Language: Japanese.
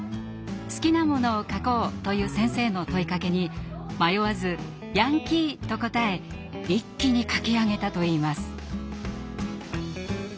「好きなものを書こう」という先生の問いかけに迷わず「ヤンキー！」と答え一気に書き上げたといいます。